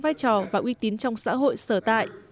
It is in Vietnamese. vai trò và uy tín trong xã hội sở tại